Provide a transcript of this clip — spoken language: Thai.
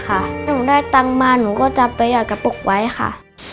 หนูได้ตังค์มาหนูก็จะประหยัดกระปุกไว้ค่ะ